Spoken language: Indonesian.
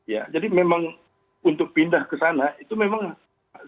ya jadi memang untuk pindah ke sana itu memang harus